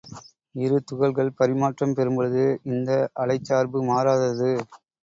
இரு துகள்கள் பரிமாற்றம் பெறும்பொழுது இந்த அலைச் சார்பு மாறாதது.